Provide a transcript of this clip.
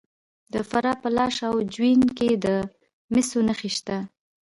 د فراه په لاش او جوین کې د مسو نښې شته.